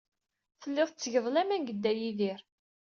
Telliḍ tettgeḍ laman deg Dda Yidir.